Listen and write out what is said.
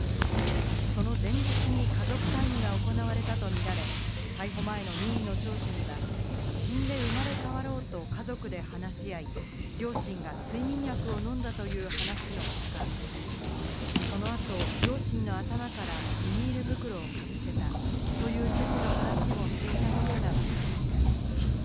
その前日に家族会議が行われたと見られ、逮捕前の任意の聴取には、死んで生まれ変わろうと家族で話し合い、両親が睡眠薬を飲んだという話のほか、その後、両親の頭からビニール袋をかぶせたという趣旨の話もしていたことがわかりました。